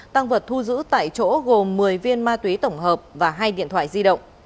tăng vật thu giữ tại chỗ gồm một mươi viên ma túy tổng hợp và hai điện thoại di động